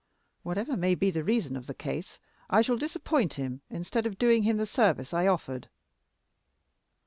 Whatever may be the reason of the case, I shall disappoint him instead of doing him the service I offered."